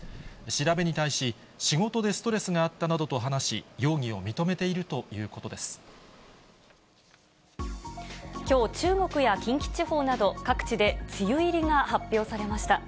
調べに対し、仕事でストレスがあったなどと話し、容疑を認めているということきょう、中国や近畿地方など、各地で梅雨入りが発表されました。